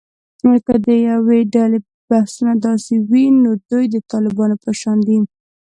که د یوې ډلې بحثونه داسې وي، نو دوی د طالبانو په شان دي